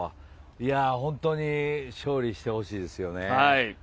本当に勝利してほしいですよね。